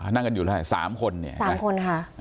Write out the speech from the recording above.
นั่งกันอยู่เท่านี้๓คน